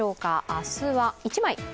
明日は１枚？